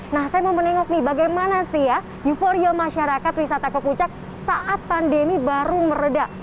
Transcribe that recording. nah saya mau menengok nih bagaimana sih ya euforia masyarakat wisata ke puncak saat pandemi baru meredah